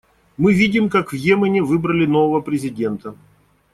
Мы видим, как в Йемене выбрали нового президента.